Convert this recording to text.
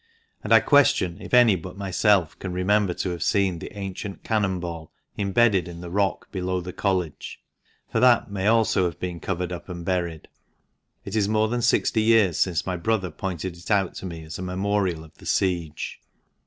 And I question if any but myself can remember to have seen the ancient cannon ball imbedded in the rock below the College, for that may also have been covered up and buried. It is more than sixty years since my brother pointed it out to me as a memorial of the siege.